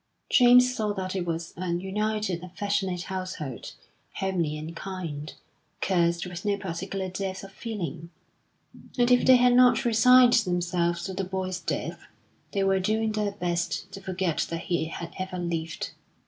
James saw that it was a united, affectionate household, homely and kind, cursed with no particular depth of feeling; and if they had not resigned themselves to the boy's death, they were doing their best to forget that he had ever lived.